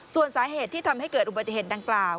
ส่วนสาเหตุที่ทำให้เกิดอุบัติเหตุดังกล่าว